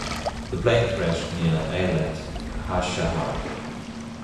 The plane crashed near Ayelet HaShahar.